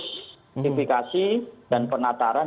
sertifikasi dan penataran